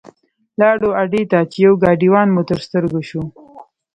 لاړو اډې ته چې یو ګاډیوان مو تر سترګو شو.